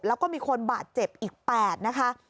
แล้วก็มีคนบาดเจ็บอีก๘นะคะ